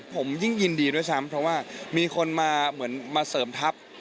ผมยิ่งยินดีด้วยซ้ำเพราะว่ามีคนมาเหมือนมาเสริมทัพ